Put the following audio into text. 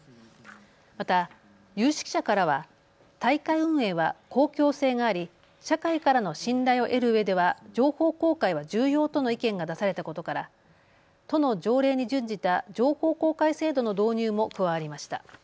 また有識者からは大会運営は公共性があり社会からの信頼を得るうえでは情報公開は重要との意見が出されたことから都の条例に準じた情報公開制度の導入も加わりました。